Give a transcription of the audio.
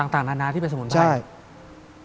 ต่างนานาที่เป็นสมุนไพรใช่